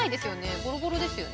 ボロボロですよね。